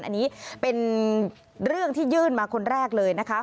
อันนี้เป็นเรื่องที่ยื่นมาคนแรกเลยนะคะ